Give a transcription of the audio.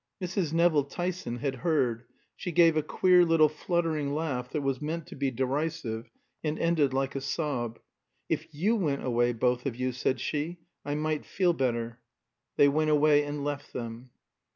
Mrs. Nevill Tyson had heard; she gave a queer little fluttering laugh that was meant to be derisive and ended like a sob. "If you went away, both of you," said she, "I might feel better." They went away and left them.